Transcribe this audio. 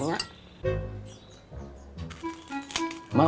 kok gak ditanya